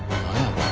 これ。